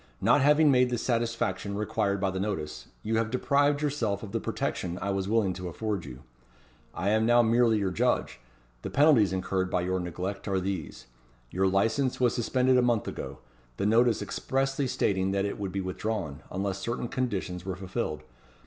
Not having made the satisfaction required by the notice, you have deprived yourself of the protection I was willing to afford you. I am now merely your judge. The penalties incurred by your neglect are these: Your licence was suspended a month ago; the notice expressly stating that it would be withdrawn, unless certain conditions were fulfilled.